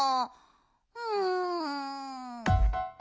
うん。